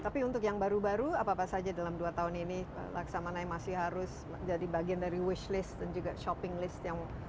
tapi untuk yang baru baru apa apa saja dalam dua tahun ini laksamana yang masih harus jadi bagian dari wish list dan juga shopping list yang